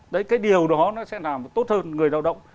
đấy cái điều đó nó sẽ làm tốt hơn người lao động